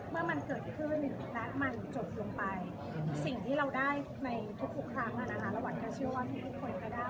เมื่อมันเกิดขึ้นและมันจบลงไปสิ่งที่เราได้ในทุกครั้งเราหวัดแค่เชื่อว่าที่ทุกคนก็ได้